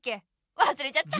わすれちゃった。